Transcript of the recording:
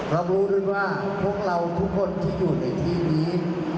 รับรู้ด้วยว่าพวกเราทุกคนที่อยู่ในที่นี้